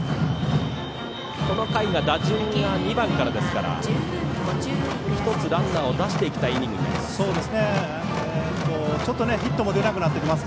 この回は打順が２番からですから１つ、ランナーを出したいイニングになります。